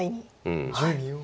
うん。